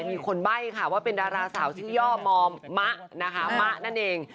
มีคนใบ้ค่ะว่าเป็นดาราสาวชื่อย่อมอมมะนะคะมะนั่นเอง